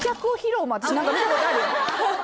私何か見たことあるよ